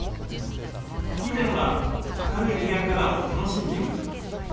以前は明るいヘアカラーを楽しんでいました。